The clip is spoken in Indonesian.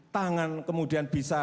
tangan kemudian berpengaruh